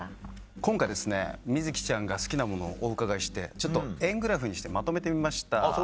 今回美月ちゃんが好きなものをお伺いしてちょっと円グラフにしてまとめてみました。